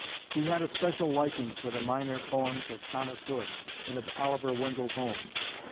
He had a special liking for the minor poems of Thomas Hood and of Oliver Wendell Holmes.